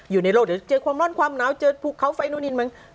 อยู่ในโลกเดี๋ยวเจอความร้อนความหนาวเจอภูเขาไฟนู่นินมั้ง